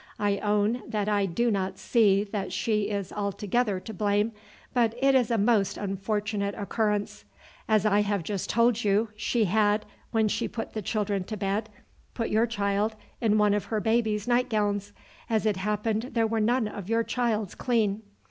I own that I do not see that she is altogether to blame, but it is a most unfortunate occurrence. As I have just told you, she had, when she put the children to bed, put your child in one of her baby's night gowns, as it happened there were none of your child's clean.